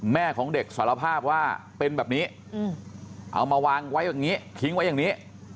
แม่ของเด็กสารภาพว่าเป็นแบบนี้เอามาวางไว้อย่างนี้ทิ้งไว้อย่างนี้